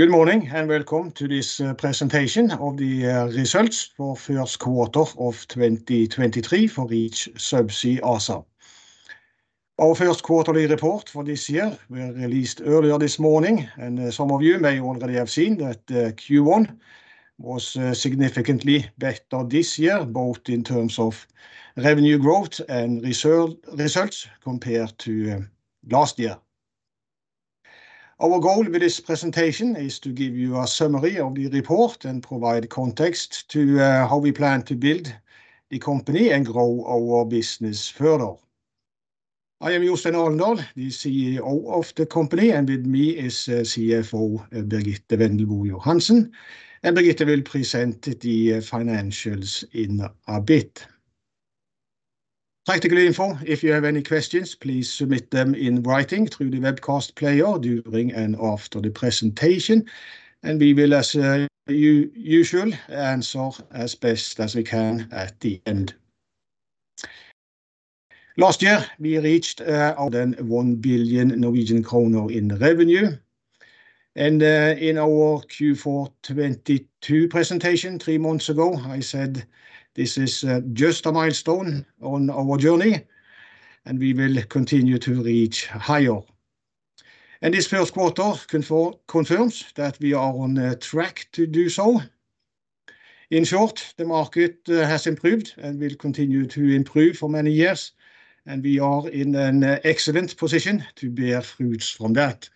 Good morning, and welcome to this presentation of the results for first quarter of 2023 for Reach Subsea ASA. Our first quarterly report for this year were released earlier this morning, and some of you may already have seen that Q1 was significantly better this year, both in terms of revenue growth and result compared to last year. Our goal with this presentation is to give you a summary of the report and provide context to how we plan to build the company and grow our business further. I am Jostein Alendal, the CEO of the company, and with me is CFO Birgitte Wendelbo Johansen. Birgitte will present the financials in a bit. Practical info. If you have any questions, please submit them in writing through the webcast player during and after the presentation, we will, as usual, answer as best as we can at the end. Last year, we reached 1 billion Norwegian kroner in revenue. In our Q4 2022 presentation three months ago, I said this is just a milestone on our journey, we will continue to reach higher. This first quarter confirms that we are on the track to do so. In short, the market has improved, will continue to improve for many years, we are in an excellent position to bear fruits from that.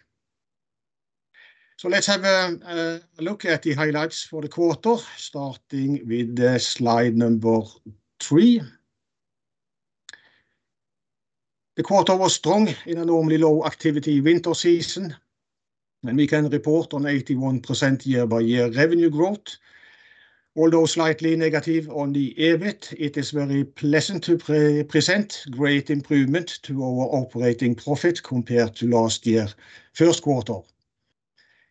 Let's have a look at the highlights for the quarter, starting with slide number three. The quarter was strong in a normally low activity winter season. We can report on 81% year-by-year revenue growth. Although slightly negative on the EBIT, it is very pleasant to present great improvement to our operating profit compared to last year first quarter.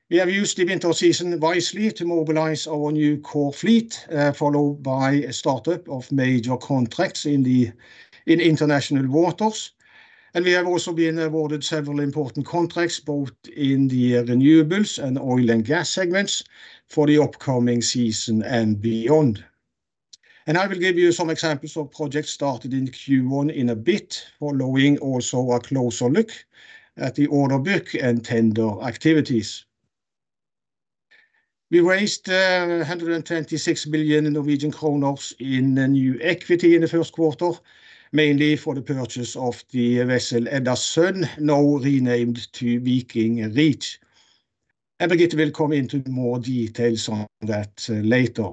We have used the winter season wisely to mobilize our new core fleet, followed by a startup of major contracts in international waters. We have also been awarded several important contracts, both in the renewables and oil and gas segments for the upcoming season and beyond. I will give you some examples of projects started in Q1 in a bit following also a closer look at the order book and tender activities. We raised 126 billion in the new equity in the first quarter, mainly for the purchase of the vessel Edda Sun, now renamed to Viking Reach. Birgitte will come into more details on that later.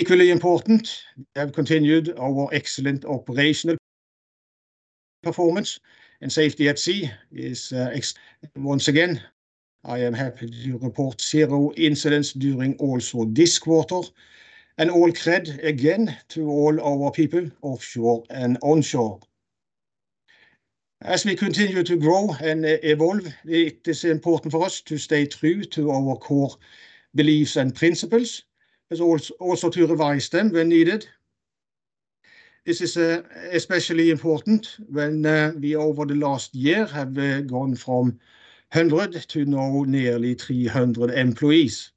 Equally important, we have continued our excellent operational performance. Once again, I am happy to report zero incidents during also this quarter, and all cred again to all our people offshore and onshore. As we continue to grow and evolve, it is important for us to stay true to our core beliefs and principles, but also to revise them when needed. This is especially important when we over the last year have gone from 100 to now nearly 300 employees.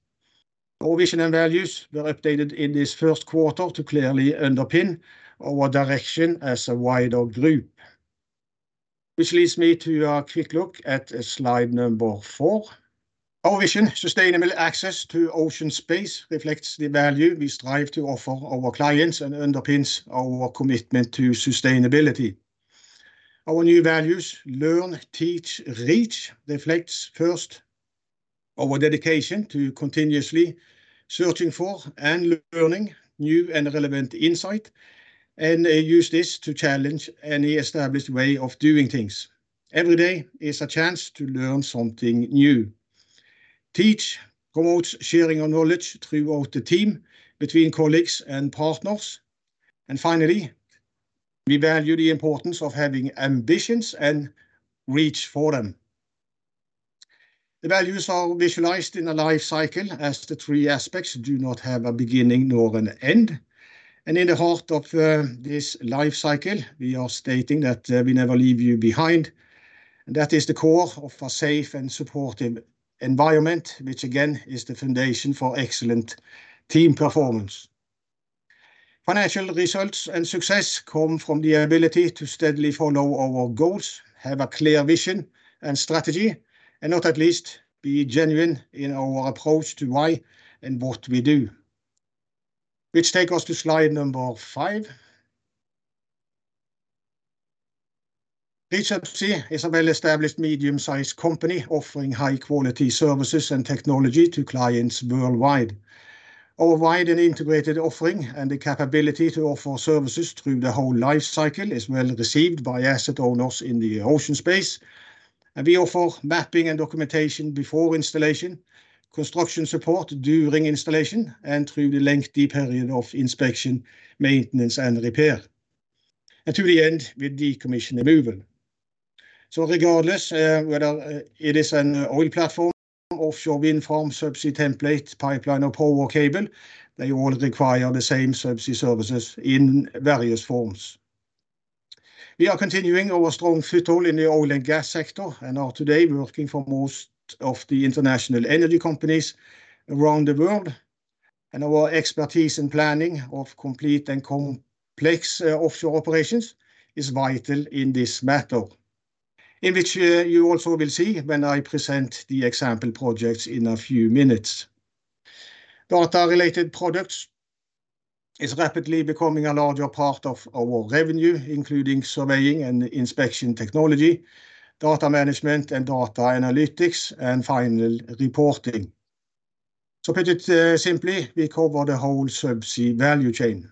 Our vision and values were updated in this first quarter to clearly underpin our direction as a wider group, which leads me to a quick look at slide number four. Our vision, sustainable access to ocean space, reflects the value we strive to offer our clients and underpins our commitment to sustainability. Our new values learn, teach, reach, reflects first our dedication to continuously searching for and learning new and relevant insight, and use this to challenge any established way of doing things. Every day is a chance to learn something new. Teach promotes sharing our knowledge throughout the team between colleagues and partners. Finally, we value the importance of having ambitions and reach for them. The values are visualized in a life cycle as the three aspects do not have a beginning nor an end. In the heart of this life cycle, we are stating that we never leave you behind. That is the core of a safe and supportive environment, which again, is the foundation for excellent team performance. Financial results and success come from the ability to steadily follow our goals, have a clear vision and strategy, and not at least be genuine in our approach to why and what we do. Which take us to slide number five. Reach Subsea is a well-established medium-sized company offering high quality services and technology to clients worldwide. Our wide and integrated offering and the capability to offer services through the whole life cycle is well received by asset owners in the ocean space. We offer mapping and documentation before installation, construction support during installation, and through the lengthy period of inspection, maintenance and repair, and to the end with decommission and removal. Regardless, whether it is an oil platform, offshore wind farm, subsea template, pipeline or power cable, they all require the same subsea services in various forms. We are continuing our strong foothold in the oil and gas sector and are today working for most of the international energy companies around the world. Our expertise in planning of complete and complex offshore operations is vital in this matter, in which you also will see when I present the example projects in a few minutes. Data-related products is rapidly becoming a larger part of our revenue, including surveying and inspection technology, data management and data analytics, and final reporting. Put it simply, we cover the whole subsea value chain.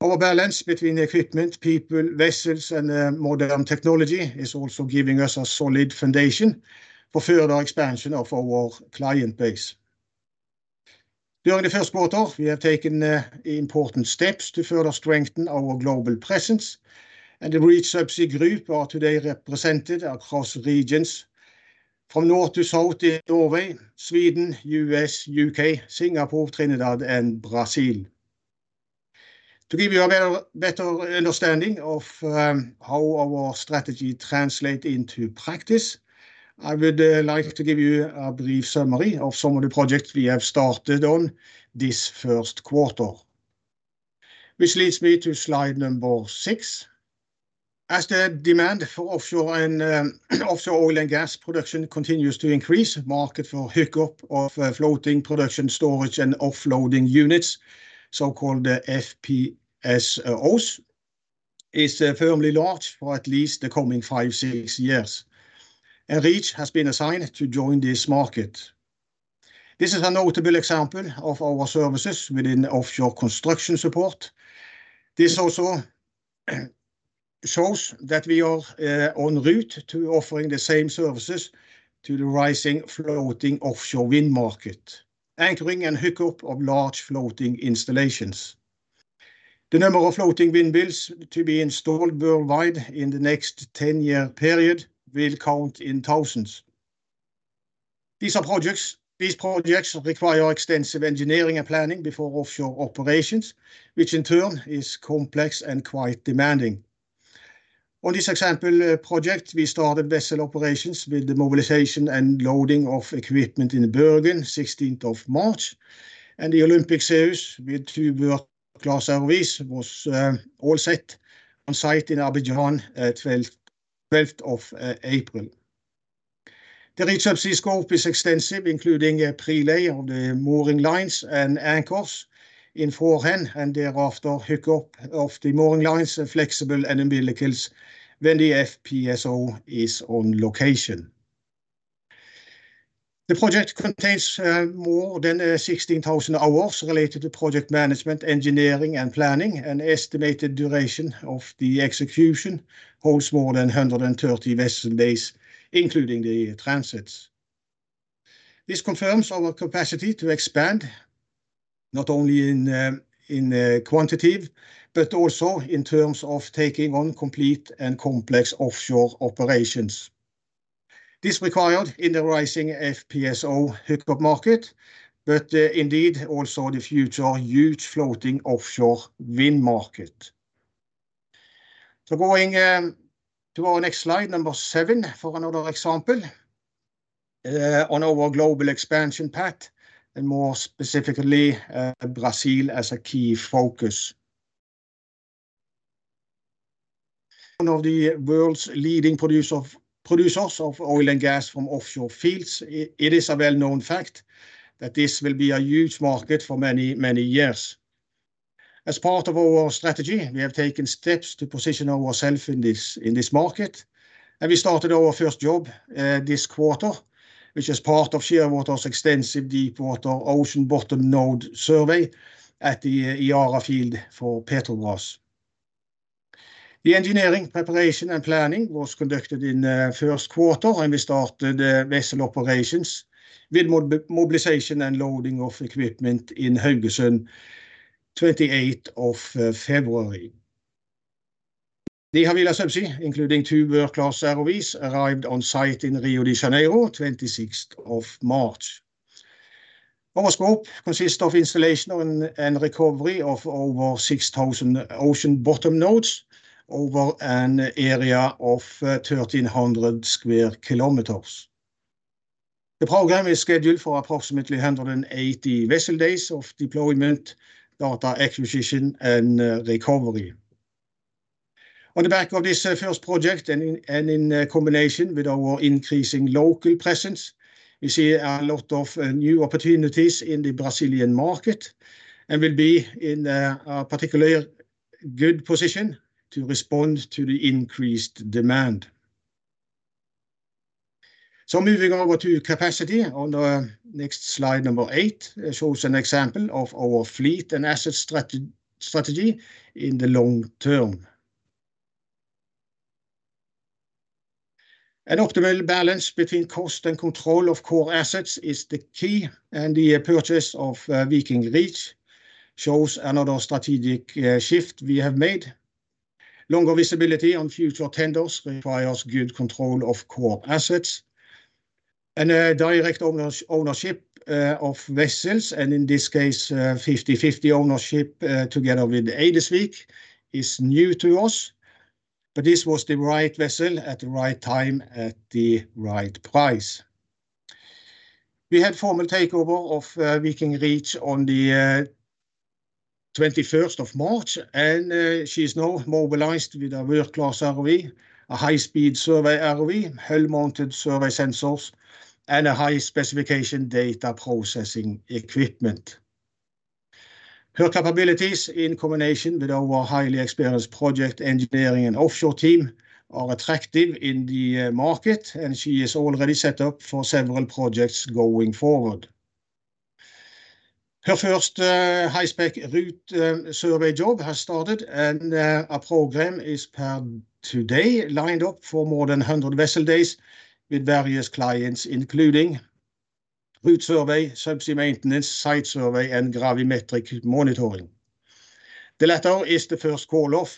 Our balance between equipment, people, vessels and modern technology is also giving us a solid foundation for further expansion of our client base. During the first quarter, we have taken important steps to further strengthen our global presence and the Reach Subsea Group are today represented across regions from north to south in Norway, Sweden, U.S., U.K., Singapore, Trinidad and Brazil. To give you a better understanding of how our strategy translate into practice, I would like to give you a brief summary of some of the projects we have started on this first quarter, which leads me to slide number six. As the demand for offshore oil and gas production continues to increase, market for hookup of floating production storage and offloading units, so-called FPSOs, is firmly large for at least the coming five, six years. Reach has been assigned to join this market. This is a notable example of our services within offshore construction support. This also shows that we are on route to offering the same services to the rising floating offshore wind market, anchoring and hookup of large floating installations. The number of floating wind builds to be installed worldwide in the next 10-year period will count in thousands. These projects require extensive engineering and planning before offshore operations, which in turn is complex and quite demanding. On this example project, we started vessel operations with the mobilization and loading of equipment in Bergen 16th of March, and the Olympic series with two work class ROVs was all set on site in Abidjan 12th of April. The Reach Subsea scope is extensive, including a pre-lay of the mooring lines and anchors in forehand and thereafter hookup of the mooring lines and flexible umbilicals when the FPSO is on location. The project contains more than 16,000-hours related to project management, engineering and planning. An estimated duration of the execution holds more than 130 vessel days, including the transits. This confirms our capacity to expand not only in quantitative, but also in terms of taking on complete and complex offshore operations. This required in the rising FPSO hookup market, indeed also the future huge floating offshore wind market. Going to our next slide, number seven, for another example on our global expansion path and more specifically, Brazil as a key focus. One of the world's leading producers of oil and gas from offshore fields, it is a well-known fact that this will be a huge market for many, many years. As part of our strategy, we have taken steps to position ourself in this market, and we started our first job this quarter, which is part of Shearwater's extensive deep water ocean bottom node survey at the Iara field for Petrobras. The engineering preparation and planning was conducted in first quarter, and we started vessel operations with mobilization and loading of equipment in Haugesund 28 of February. The Havila Subsea, including two work class ROVs, arrived on site in Rio de Janeiro 26th of March. Our scope consists of installation and recovery of over 6,000 ocean bottom nodes over an area of 1,300 sq km. The program is scheduled for approximately 180 vessel days of deployment, data acquisition and recovery. On the back of this first project and in combination with our increasing local presence, we see a lot of new opportunities in the Brazilian market and will be in a particular good position to respond to the increased demand. Moving over to capacity on the next slide, number eight, shows an example of our fleet and asset strategy in the long term. An optimal balance between cost and control of core assets is the key, and the purchase of Viking Reach shows another strategic shift we have made. Longer visibility on future tenders requires good control of core assets. A direct ownership of vessels, and in this case, 50/50 ownership, together with Eidesvik is new to us. This was the right vessel at the right time, at the right price. We had formal takeover of Viking Reach on the 21st of March, and she's now mobilized with a work class ROV, a high-speed survey ROV, hull-mounted survey sensors, and a high-specification data processing equipment. Her capabilities in combination with our highly experienced project engineering and offshore team are attractive in the market, and she is already set up for several projects going forward. Her first, high-spec route, survey job has started, and a program is per today lined up for more than 100 vessel days with various clients including route survey, subsea maintenance, site survey, and gravimetric monitoring. The latter is the first call-off,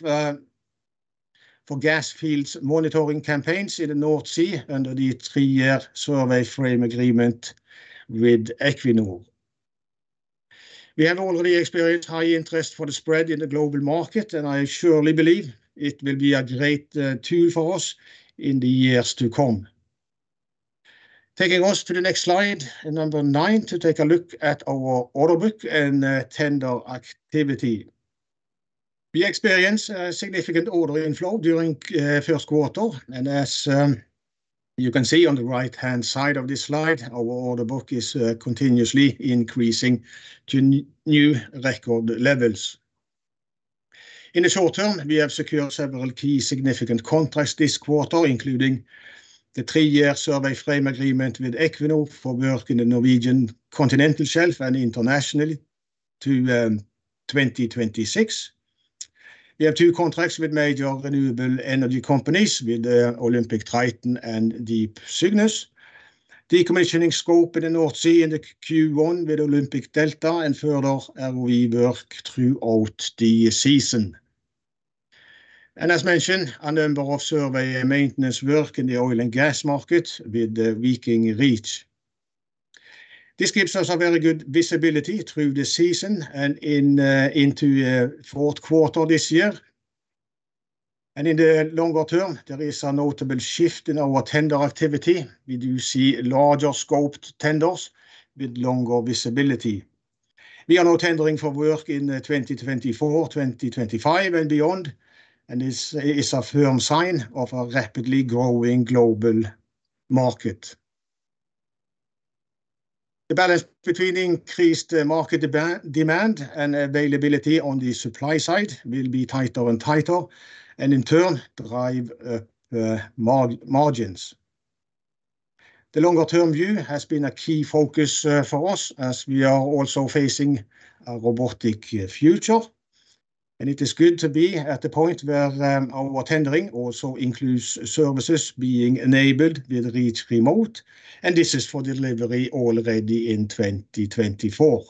for gas fields monitoring campaigns in the North Sea under the three-year survey frame agreement with Equinor. We have already experienced high interest for the spread in the global market, and I surely believe it will be a great tool for us in the years to come. Taking us to the next slide, and number nine, to take a look at our order book and tender activity. We experienced a significant order inflow during first quarter, and as you can see on the right-hand side of this slide, our order book is continuously increasing to new record levels. In the short term, we have secured several key significant contracts this quarter, including the three year survey frame agreement with Equinor for work in the Norwegian Continental Shelf and internationally to 2026. We have two contracts with major renewable energy companies with the Olympic Triton and the Cygnus. Decommissioning scope in the North Sea in the Q1 with Olympic Delta and further ROV work throughout the season. As mentioned, a number of survey and maintenance work in the oil and gas market with the Viking Reach. This gives us a very good visibility through the season and into fourth quarter this year. In the longer term, there is a notable shift in our tender activity. We do see larger scoped tenders with longer visibility. We are now tendering for work in 2024, 2025, and beyond, and this is a firm sign of a rapidly growing global market. The balance between increased market demand and availability on the supply side will be tighter and tighter and in turn drive up margins. The longer-term view has been a key focus for us as we are also facing a robotic future, and it is good to be at the point where our tendering also includes services being enabled with Reach Remote, and this is for delivery already in 2024.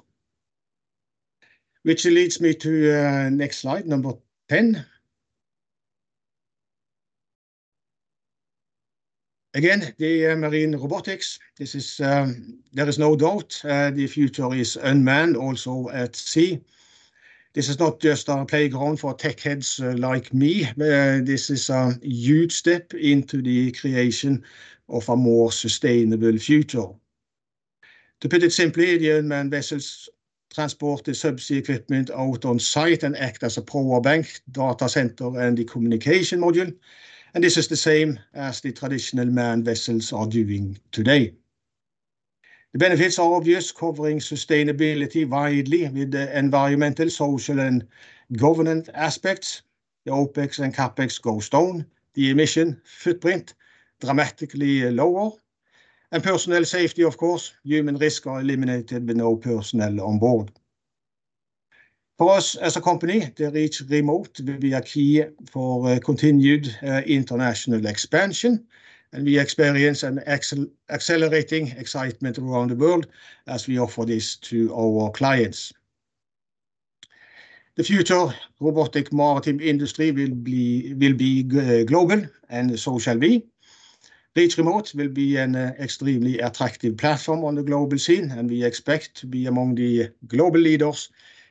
Which leads me to next slide, number 10. Again, the marine robotics, this is. There is no doubt, the future is unmanned also at sea. This is not just a playground for tech heads like me. This is a huge step into the creation of a more sustainable future. To put it simply, the unmanned vessels transport the subsea equipment out on site and act as a power bank, data center, and the communication module, and this is the same as the traditional manned vessels are doing today. The benefits are obvious, covering sustainability widely with the environmental, social, and governance aspects. The OpEx and CapEx goes down, the emission footprint dramatically lower, and personnel safety, of course. Human risk are eliminated with no personnel on board. For us as a company, the Reach Remote will be a key for continued international expansion, and we experience an accelerating excitement around the world as we offer this to our clients. The future robotic maritime industry will be global, and so shall we. Reach Remote will be an extremely attractive platform on the global scene, and we expect to be among the global leaders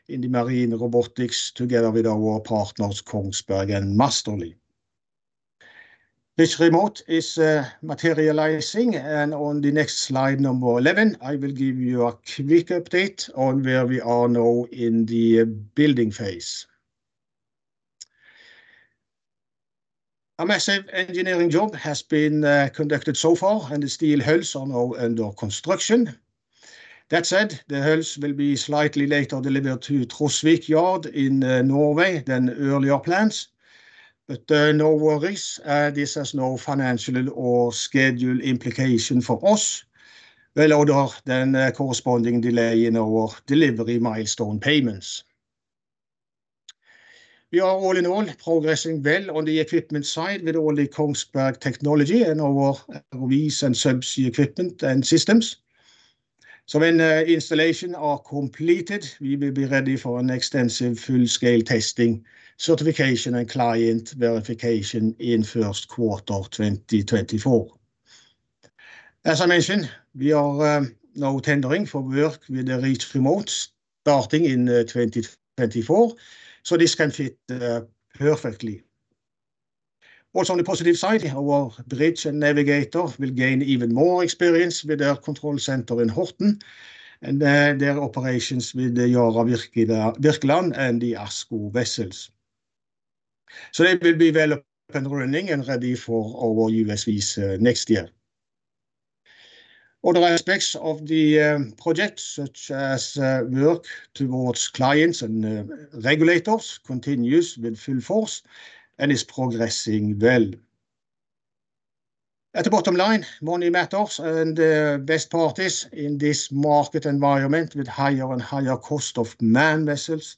in the marine robotics together with our partners, Kongsberg and Massterly. This remote is materializing, and on the next slide, number 11, I will give you a quick update on where we are now in the building phase. A massive engineering job has been conducted so far, and the steel hulls are now under construction. That said, the hulls will be slightly later delivered to Trosvik Yard in Norway than earlier plans. No worries, this has no financial or schedule implication for us. Well, other than a corresponding delay in our delivery milestone payments. We are all in all progressing well on the equipment side with all the Kongsberg technology and our ROVs and subsea equipment and systems. When the installation are completed, we will be ready for an extensive full scale testing, certification, and client verification in first quarter of 2024. As I mentioned, we are now tendering for work with the Reach Remote starting in 2024, so this can fit perfectly. Also on the positive side, our bridge and navigator will gain even more experience with our control center in Horten and their operations with the Yara Birkeland and the Åsgard vessels. They will be well up and running and ready for our USVs next year. Other aspects of the project, such as work towards clients and regulators continues with full force and is progressing well. At the bottom line, money matters. The best part is in this market environment with higher and higher cost of man vessels,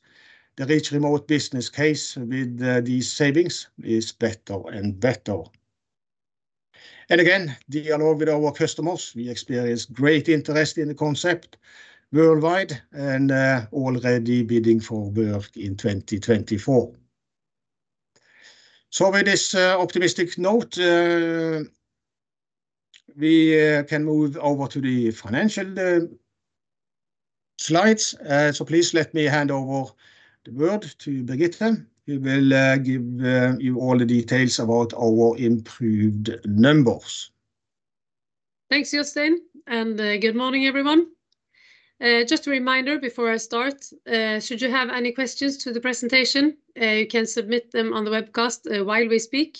the Reach Remote business case with these savings is better and better. Again, the dialogue with our customers, we experience great interest in the concept worldwide and already bidding for work in 2024. With this optimistic note, we can move over to the financial slides. Please let me hand over the word to Birgitte who will give you all the details about our improved numbers. Thanks, Jostein Alendal, and good morning, everyone. Just a reminder before I start, should you have any questions to the presentation, you can submit them on the webcast, while we speak.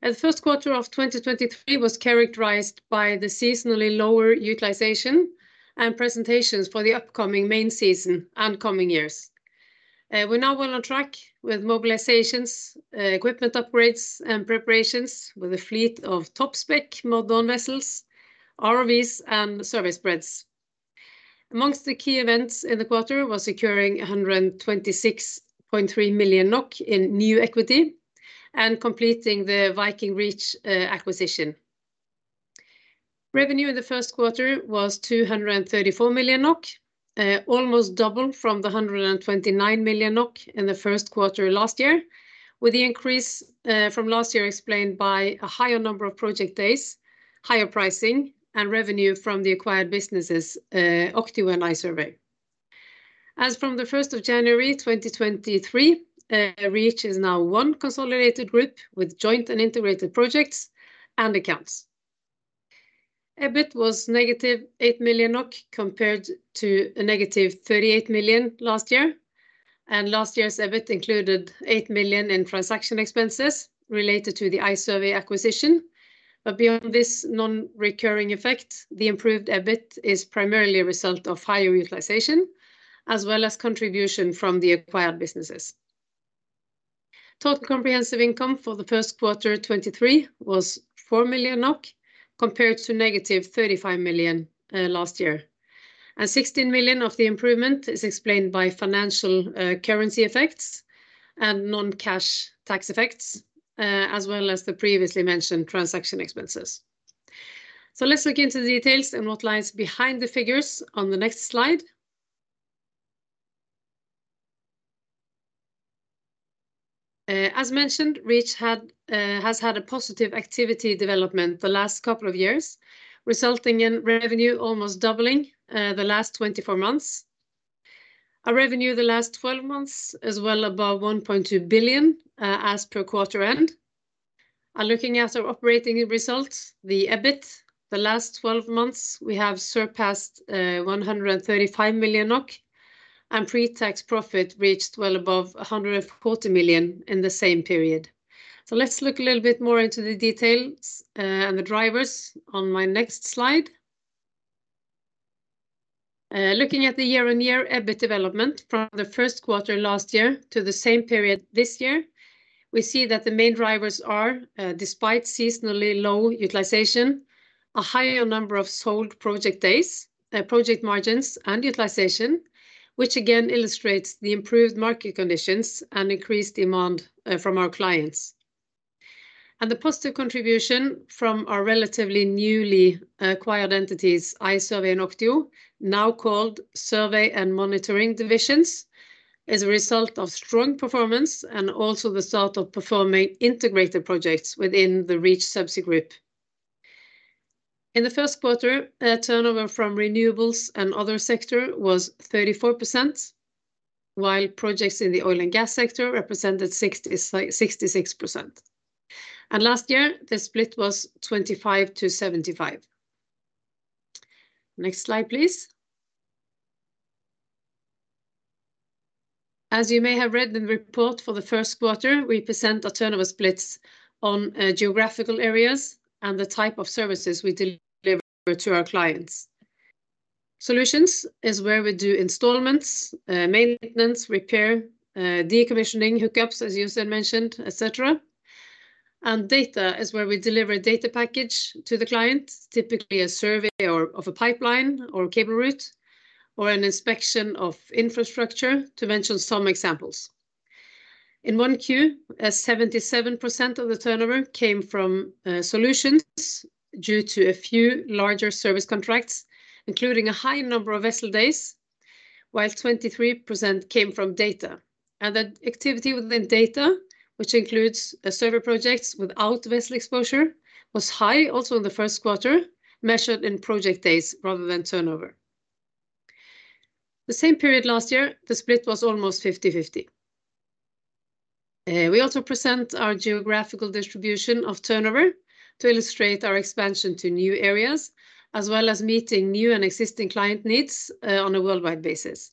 At the First quarter of 2023 was characterized by the seasonally lower utilization and presentations for the upcoming main season and coming years. We're now well on track with mobilizations, equipment upgrades, and preparations with a fleet of top spec modern vessels, ROVs, and service spreads. Amongst the key events in the quarter was securing 126.3 million NOK in new equity and completing the Viking Reach acquisition. Revenue in the First quarter was 234 million NOK, almost double from the 129 million NOK in the First quarter last year. With the increase from last year explained by a higher number of project days, higher pricing, and revenue from the acquired businesses, OCTIO and iSURVEY. As from the first of January 2023, Reach is now one consolidated group with joint and integrated projects and accounts. EBIT was -8 million NOK compared to a negative 38 million last year, and last year's EBIT included 8 million in transaction expenses related to the iSURVEY acquisition. Beyond this non-recurring effect, the improved EBIT is primarily a result of higher utilization as well as contribution from the acquired businesses. Total comprehensive income for the first quarter 2023 was 4 million NOK compared to -35 million last year. 16 million of the improvement is explained by financial currency effects and non-cash tax effects, as well as the previously mentioned transaction expenses. Let's look into the details and what lies behind the figures on the next slide. As mentioned, Reach has had a positive activity development the last couple of years, resulting in revenue almost doubling the last 24-months. Our revenue the last 12-months as well above 1.2 billion as per quarter end. Looking at our operating results, the EBIT, the last 12-months we have surpassed 135 million NOK, and pre-tax profit reached well above 140 million in the same period. Let's look a little bit more into the details and the drivers on my next slide. Looking at the year-on-year EBIT development from the first quarter last year to the same period this year, we see that the main drivers are, despite seasonally low utilization, a higher number of sold project days, project margins, and utilization, which again illustrates the improved market conditions and increased demand from our clients. The positive contribution from our relatively newly acquired entities, iSURVEY and OCTIO, now called survey and monitoring divisions, is a result of strong performance and also the start of performing integrated projects within the Reach Subsea Group. In the first quarter, turnover from renewables and other sector was 34%, while projects in the oil and gas sector represented 66%. Last year, the split was 25%-75%. Next slide, please. As you may have read in the report for the first quarter, we present our turnover splits on geographical areas and the type of services we deliver to our clients. Solutions is where we do installments, maintenance, repair, decommissioning, hookups, as Jostein mentioned, etc. Data is where we deliver a data package to the client, typically a survey or of a pipeline or cable route or an inspection of infrastructure, to mention some examples. In 1Q, as 77% of the turnover came from solutions due to a few larger service contracts, including a high number of vessel days, while 23% came from data. The activity within data, which includes server projects without vessel exposure, was high also in the first quarter, measured in project days rather than turnover. The same period last year, the split was almost 50/50. We also present our geographical distribution of turnover to illustrate our expansion to new areas, as well as meeting new and existing client needs on a worldwide basis.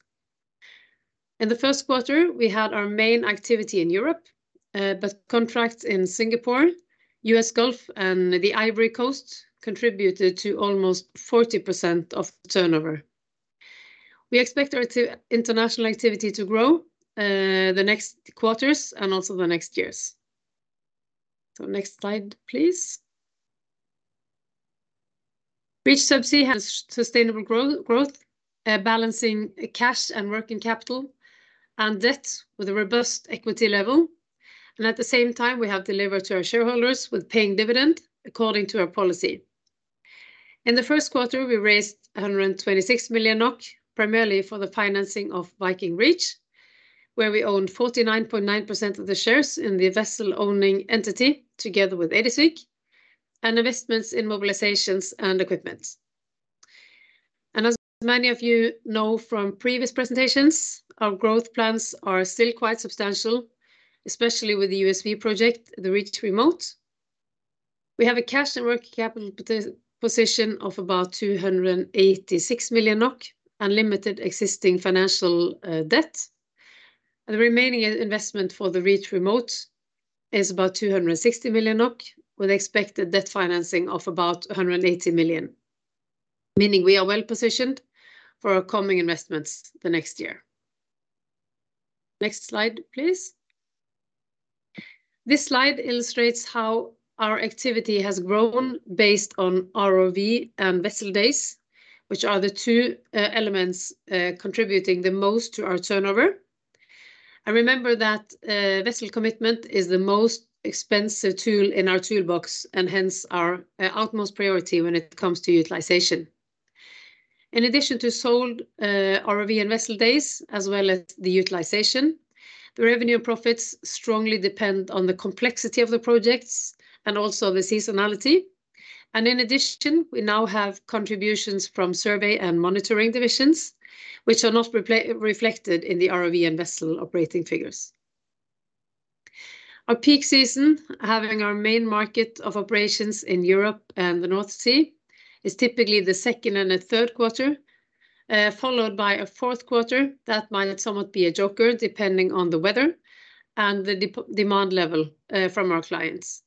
In the first quarter, we had our main activity in Europe, but contracts in Singapore, U.S. Gulf, and the Ivory Coast contributed to almost 40% of turnover. We expect our international activity to grow the next quarters and also the next years. Next slide, please. Reach Subsea has sustainable growth, balancing cash and working capital and debt with a robust equity level. At the same time, we have delivered to our shareholders with paying dividend according to our policy. In the first quarter, we raised 126 million NOK, primarily for the financing of Viking Reach, where we own 49.9% of the shares in the vessel-owning entity together with Eidesvik, and investments in mobilizations and equipment. As many of you know from previous presentations, our growth plans are still quite substantial, especially with the USV project, the Reach Remote. We have a cash and working capital position of about 286 million NOK and limited existing financial debt. The remaining investment for the Reach Remote is about 260 million NOK with expected debt financing of about 180 million, meaning we are well-positioned for our coming investments the next year. Next slide, please. This slide illustrates how our activity has grown based on ROV and vessel days, which are the two elements contributing the most to our turnover. Remember that vessel commitment is the most expensive tool in our toolbox and hence our utmost priority when it comes to utilization. In addition to sold ROV and vessel days, as well as the utilization, the revenue profits strongly depend on the complexity of the projects and also the seasonality. In addition, we now have contributions from survey and monitoring divisions, which are not reflected in the ROV and vessel operating figures. Our peak season, having our main market of operations in Europe and the North Sea, is typically the second and the third quarter, followed by a fourth quarter that might somewhat be a joker depending on the weather and the demand level from our clients.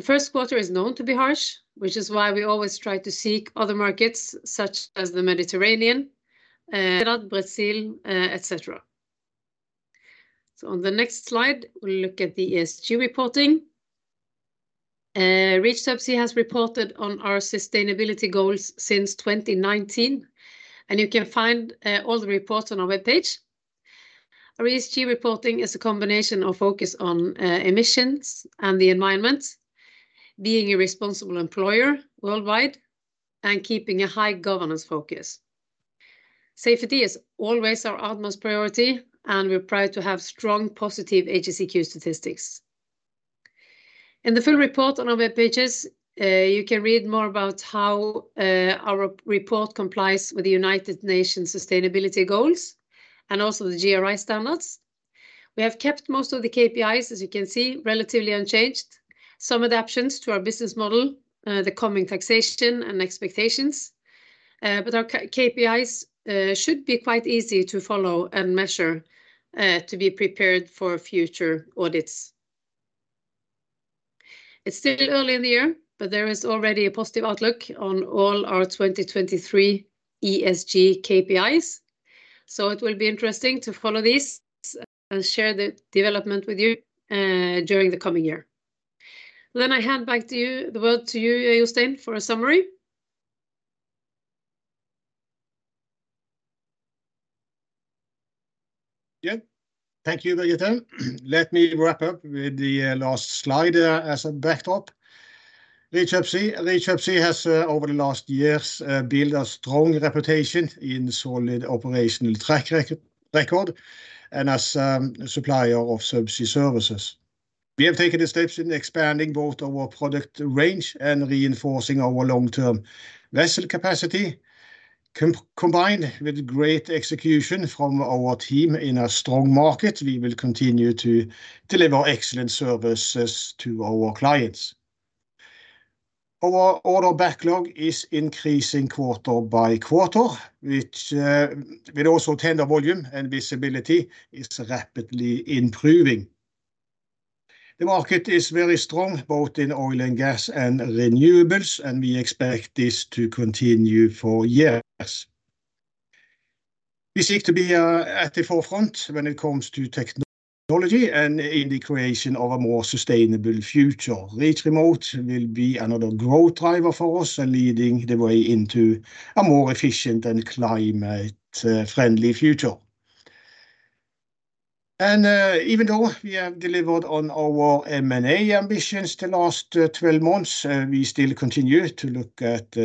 The first quarter is known to be harsh, which is why we always try to seek other markets such as the Mediterranean, Brazil, etc. On the next slide, we'll look at the ESG reporting. Reach Subsea has reported on our sustainability goals since 2019, and you can find all the reports on our web page. Our ESG reporting is a combination of focus on emissions and the environment, being a responsible employer worldwide, and keeping a high governance focus. Safety is always our utmost priority, and we're proud to have strong positive HSEQ statistics. In the full report on our web pages, you can read more about how, our report complies with the United Nations sustainability goals and also the GRI standards. We have kept most of the KPIs, as you can see, relatively unchanged. Some adaptions to our business model, the coming taxation and expectations, but our KPIs, should be quite easy to follow and measure, to be prepared for future audits. It's still early in the year, but there is already a positive outlook on all our 2023 ESG KPIs, so it will be interesting to follow these and share the development with you, during the coming year. I hand back to you, the world to you, Jostein Alendal, for a summary. Thank you, Birgitte Wendelbo Johansen. Let me wrap up with the last slide as a backdrop. Reach Subsea has over the last years built a strong reputation in solid operational track record and as supplier of subsea services. We have taken the steps in expanding both our product range and reinforcing our long-term vessel capacity. Combined with great execution from our team in a strong market, we will continue to deliver excellent services to our clients. Our order backlog is increasing quarter-by-quarter, which will also tender volume and visibility is rapidly improving. The market is very strong, both in oil and gas and renewables, and we expect this to continue for years. We seek to be at the forefront when it comes to technology and in the creation of a more sustainable future. Reach Remote will be another growth driver for us and leading the way into a more efficient and climate friendly future. Even though we have delivered on our M&A ambitions the last 12 months, we still continue to look at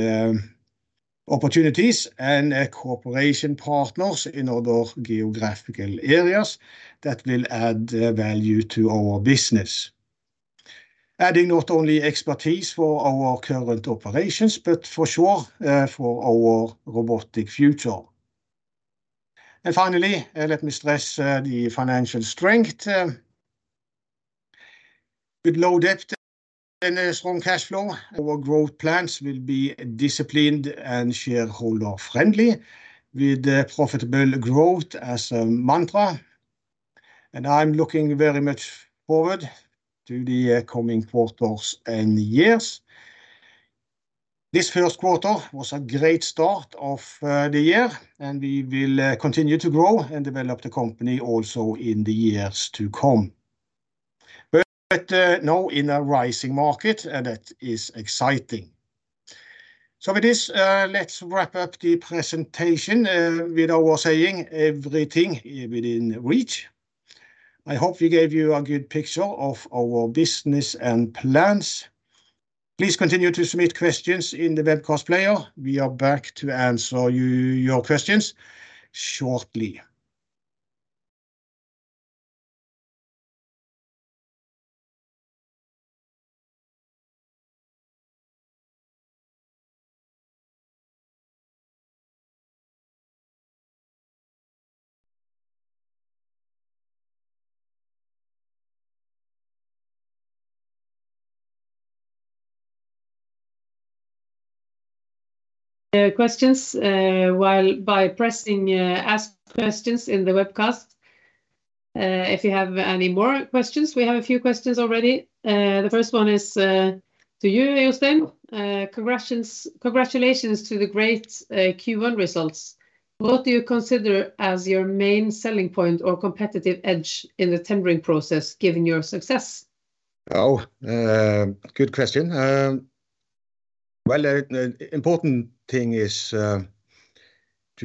opportunities and cooperation partners in other geographical areas that will add value to our business. Adding not only expertise for our current operations, but for sure, for our robotic future. Finally, let me stress the financial strength, with low debt and a strong cash flow, our growth plans will be disciplined and shareholder friendly with the profitable growth as a mantra. I'm looking very much forward to the coming quarters and years. This first quarter was a great start of the year, and we will continue to grow and develop the company also in the years to come. Now in a rising market, that is exciting. With this, let's wrap up the presentation with our saying everything within reach. I hope we gave you a good picture of our business and plans. Please continue to submit questions in the webcast player. We are back to answer your questions shortly. The questions, while by pressing, ask questions in the webcast. If you have any more questions, we have a few questions already. The first one is to you, Jostein. Congratulations to the great Q1 results. What do you consider as your main selling point or competitive edge in the tendering process, given your success? Good question. Well, important thing is to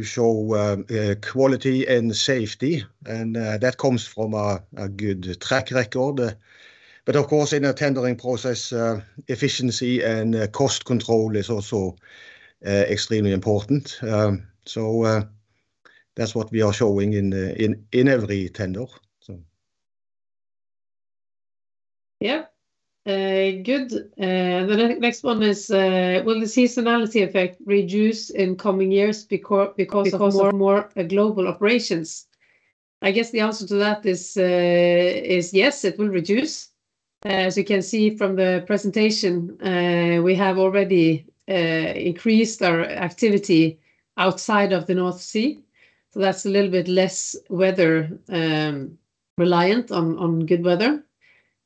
show quality and safety, and that comes from a good track record. Of course, in a tendering process, efficiency and cost control is also extremely important. That's what we are showing in every tender. Yeah. Good. The next one is, will the seasonality effect reduce in coming years because of more global operations? I guess the answer to that is yes, it will reduce. As you can see from the presentation, we have already increased our activity outside of the North Sea. That's a little bit less weather reliant on good weather.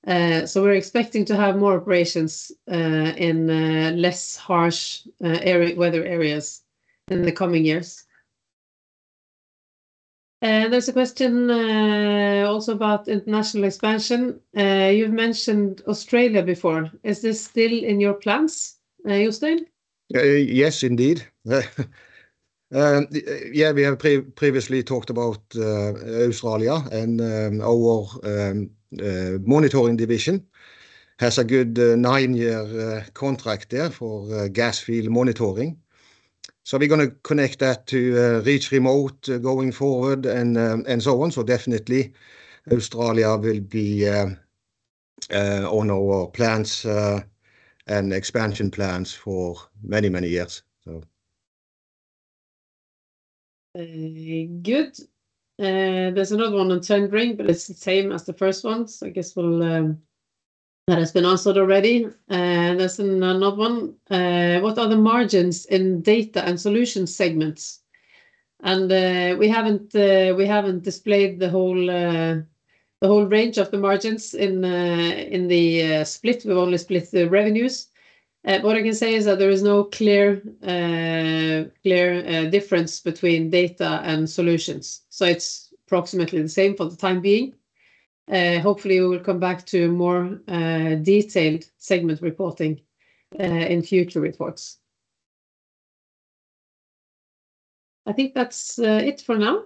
We're expecting to have more operations in less harsh weather areas in the coming years. There's a question also about international expansion. You've mentioned Australia before. Is this still in your plans, Jostein Alendal? Yes, indeed. We have previously talked about Australia and our monitoring division has a good nine-year contract there for gas field monitoring. We're gonna connect that to Reach Remote going forward and so on. Definitely Australia will be on our plans and expansion plans for many, many years. Good. There's another one on tendering, but it's the same as the first one. That has been answered already. There's another one. What are the margins in data and solution segments? We haven't displayed the whole range of the margins in the split. We've only split the revenues. What I can say is that there is no clear difference between data and solutions. It's approximately the same for the time being. Hopefully we will come back to more detailed segment reporting in future reports. I think that's it for now.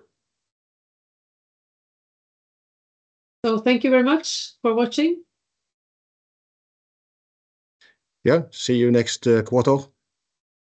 Thank you very much for watching. Yeah. See you next quarter.